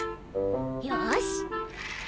よし！